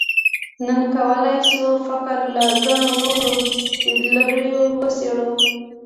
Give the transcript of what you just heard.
نن کولای شو فقر له ګڼو نورو لیدلوریو وڅېړو.